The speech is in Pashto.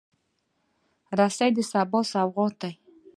رس د سبا سوغات دی